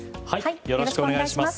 よろしくお願いします。